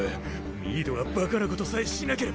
ミードがバカなことさえしなければ。